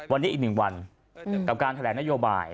วันนี้อีก๑วันกับการแถลงนโยบาย